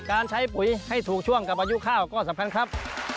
การใช้ปุ๋ยให้ถูกช่วงกับอายุข้าวก็สำคัญครับ